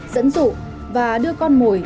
dẫn dụ và đưa con mồi